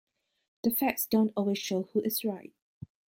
The facts don't always show who is right.